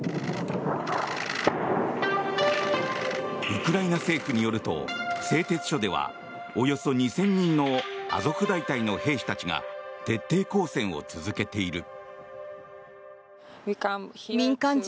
ウクライナ政府によると製鉄所ではおよそ２０００人のアゾフ大隊の兵士たちが徹底抗戦を続けている。